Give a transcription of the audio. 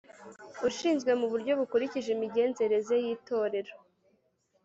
ushinzwe mu buryo bukurikije imigenzereze y’Itorero